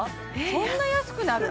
そんな安くなる？